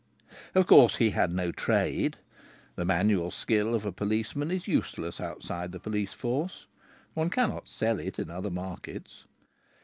Of course, he had no trade. The manual skill of a policeman is useless outside the police force. One cannot sell it in other markets.